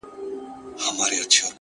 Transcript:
ستا خړي سترگي او ښايسته مخ دي!!